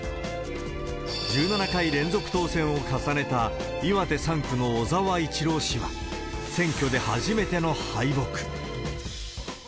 １７回連続当選を重ねた、岩手３区の小沢一郎氏は、選挙で初めての敗北。